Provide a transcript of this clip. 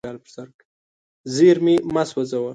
زیرمې مه سوځوه.